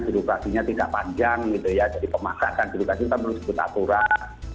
birokrasinya tingkat panjang gitu ya jadi pemasarkan birokrasi kita menurut sebut aturan